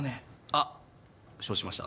あっ承知しました。